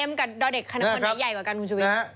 เอ็มกับดอเด็กคณะคนนั้นใหญ่กว่ากันครูจอมซับ